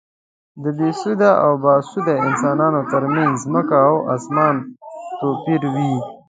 د بې سواده او با سواده انسانو تر منځ ځمکه او اسمان توپیر وي.